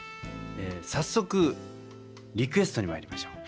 早速リクエストにまいりましょう。